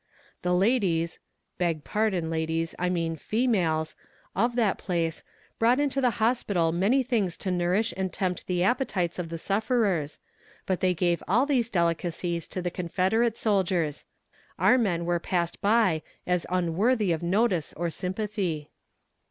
The ladies (beg pardon, ladies, I mean females) of that place brought into the hospital many things to nourish and tempt the appetites of the sufferers, but they gave all these delicacies to the Confederate soldiers: our men were passed by as unworthy of notice or sympathy.